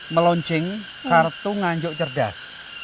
meluncing kartu nganjuk cerdas